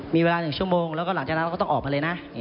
มีเวลา๑ชั่วโมงแล้วก็หลังจากนั้นเราก็ต้องออกมาเลยนะ